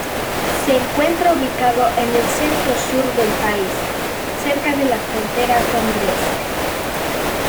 Se encuentra ubicado en el centro-sur del país, cerca de la frontera con Grecia.